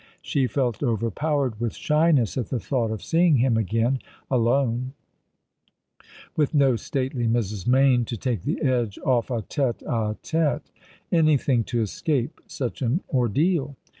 She felt overpowered with shyness at the thought of seeing him again, alone — with no stately Mrs. Mayne to take the edge off a iete a tete. Anything to escape such an ordeal